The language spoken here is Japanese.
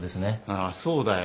ああそうだよ